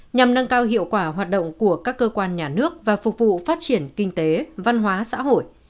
nhằm nâng cao hiệu quả hoạt động của các cơ quan nhà nước và phục vụ phát triển kinh tế văn hóa xã hội